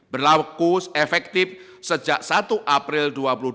berlaku efektif sejak satu april dua ribu dua puluh